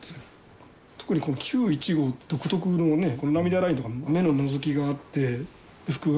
特にこの旧１号独特のねこの「涙ライン」とか目ののぞきがあって複眼があって。